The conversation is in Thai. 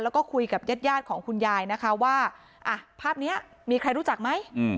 แล้วก็คุยกับญาติของคุณยายนะคะว่าภาพนี้มีใครรู้จักไหม